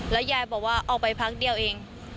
ยายบอกว่าออกไปพักเดียวเอง